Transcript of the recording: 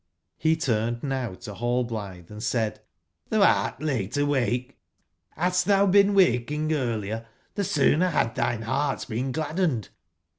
Re turned now to Hallblithe and said: '^IThou art late awake: hadst thou been waking earlier, the sooner had thine heart been gladdened.